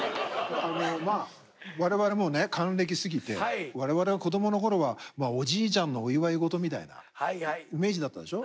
まあ我々もうね還暦過ぎて我々が子供のころはおじいちゃんのお祝い事みたいなイメージだったでしょ。